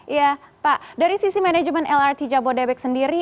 iya pak dari sisi manajemen lrt jabodebek sendiri